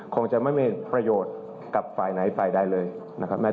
คงจะไม่มีประโยชน์กับฝ่ายไหนฝ่ายได้เลยนะครับแม้แต่ว่าสวทธิ์ด้วย